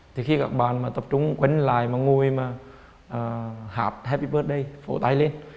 thì khi các bạn tập trung quên lại ngồi mà hạp happy birthday phổ tay lên